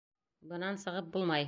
Бынан сығып булмай!